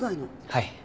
はい。